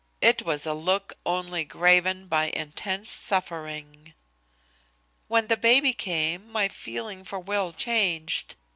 It was a look, only graven by intense suffering. "When the baby came my feeling for Will changed.